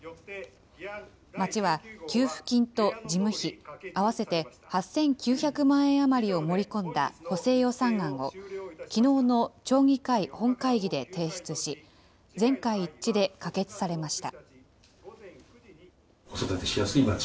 町は、給付金と事務費、合わせて８９００万円余りを盛り込んだ補正予算案を、きのうの町議会本会議で提出し、全会一致で可決されました。